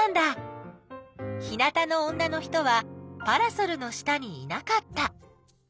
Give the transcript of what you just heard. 日なたの女の人はパラソルの下にいなかった。